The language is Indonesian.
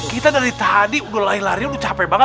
kita dari tadi udah lari lari udah capek banget